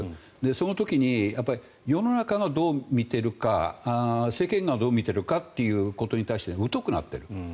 その時に世の中がどう見ているか世間がどう見ているかということに対してうとくなっている。